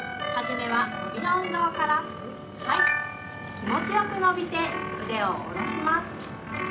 気持ちよく伸びて腕を下ろします。